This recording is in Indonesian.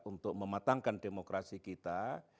untuk mematangkan demokrasi kita